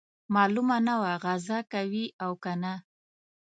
معلومه نه وه غزا کوي او کنه.